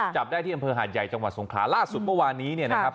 จับได้ที่อำเภอหาดใหญ่จังหวัดสงขลาล่าสุดเมื่อวานนี้เนี่ยนะครับ